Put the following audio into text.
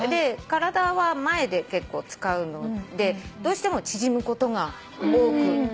体は前で結構使うのでどうしても縮むことが多くなるみたい。